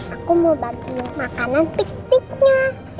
aku mau bagi makanan tik tiknya